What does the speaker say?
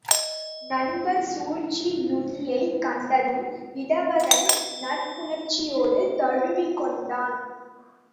நண்பர் சூழ்ச்சி யூகியைக் கண்டதும் இடவகன் நட்புணர்ச்சியோடு தழுவிக் கொண்டான்.